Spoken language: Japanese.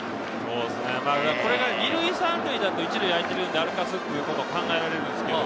これが２塁３塁だと１塁が空いているので、歩かすことも考えられるんですけど。